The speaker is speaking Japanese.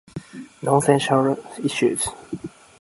Nonsensical issues.